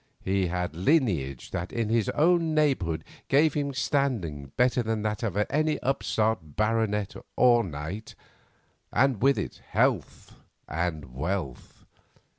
He had lineage that in his own neighbourhood gave him standing better than that of many an upstart baronet or knight, and with it health and wealth.